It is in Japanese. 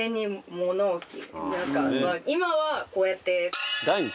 今はこうやって。